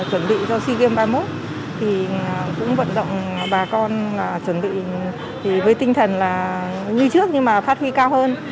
chuẩn bị cho sea game ba mươi một thì cũng vận động bà con chuẩn bị với tinh thần là huy trước nhưng mà phát huy cao hơn